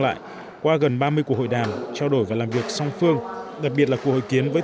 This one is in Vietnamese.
lại qua gần ba mươi cuộc hội đàm trao đổi và làm việc song phương đặc biệt là cuộc hội kiến với